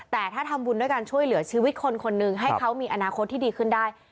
แต่ถ้าทำบุญด้วยการช่วยเหลือชีวิตคนคนหนึ่งให้เขามีอนาคตที่ดีขึ้นได้